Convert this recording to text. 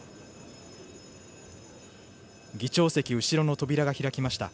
議長席後ろの扉が開きました。